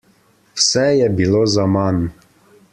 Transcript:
Vse je bilo zaman.